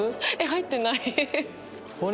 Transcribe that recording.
入ってない。